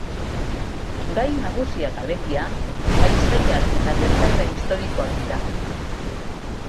Gai nagusiak, alegia, paisaiak eta gertaera historikoak dira.